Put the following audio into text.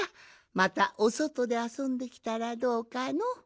またおそとであそんできたらどうかの？